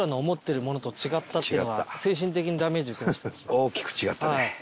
大きく違ったね。